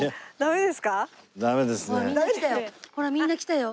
ほらみんな来たよ。